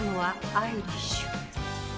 アイリッシュ。